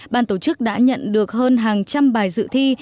ban tổ chức đã nhận được hơn hàng trăm bài dự thi